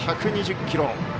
１２０キロ。